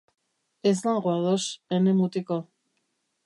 Ez nago ados, ene mutiko.